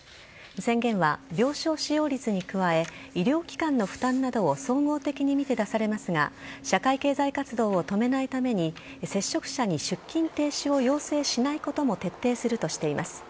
宣言は病床使用率に加え医療機関の負担などを総合的に見て出されますが社会経済活動を止めないために接触者に出勤停止を要請しないことも徹底するとしています。